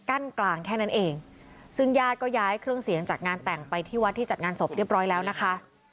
กั้นกลางแค่นั้นเองซึ่งญาติก็ย้ายเครื่องเสียงจากงานแต่งไปที่วัดที่จัดงานศพเรียบร้อยแล้วนะคะ